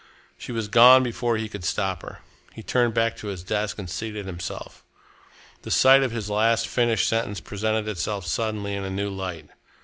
She was gone before he could stop her. He turned back to his desk and seated himself. The sight of his last finished sentence presented itself suddenly in a new light.